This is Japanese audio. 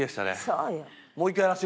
そうよ。